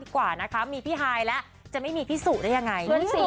กว่านะคะมีพี่ฮายแล้วจะไม่มีพี่สุได้ยังไง